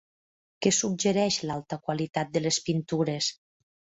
Què suggereix l'alta qualitat de les pintures?